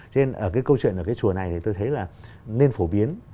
cho nên ở cái câu chuyện ở cái chùa này thì tôi thấy là nên phổ biến